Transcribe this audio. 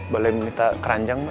boleh minta keranjang mbak